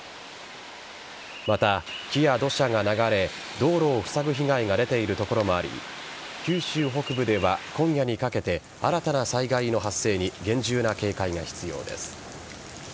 また、木や土砂が流れ道路をふさぐ被害が出ている所もあり九州北部では今夜にかけて新たな災害の発生に厳重な警戒が必要です。